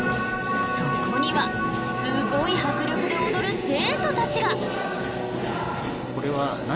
そこにはすごい迫力で踊る生徒たちが！